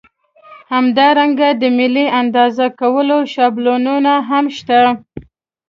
همدارنګه د ملي اندازه کولو شابلونونه هم شته.